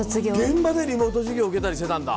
現場でリモート授業受けたりしてたんだ。